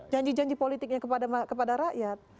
janji janji politiknya kepada rakyat